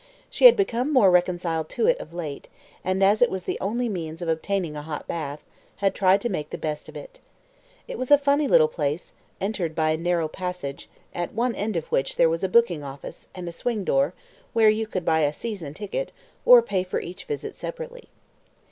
She had become more reconciled to it of late, and, as it was the only means of obtaining a hot bath, had tried to make the best of it. It was a funny little place, entered by a narrow passage, at one end of which there was a booking office, and a swing door, where you could buy a "season ticket," or pay for each visit separately.